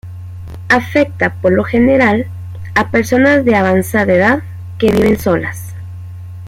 Afecta, por lo general, a personas de avanzada edad que viven solas.